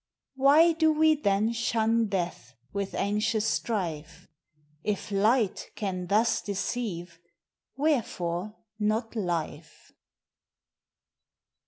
Why do we then shun death with anxious strife ! If light can thus deceive, wherefore not life?